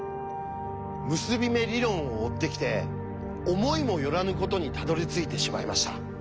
結び目理論を追ってきて思いも寄らぬことにたどりついてしまいました。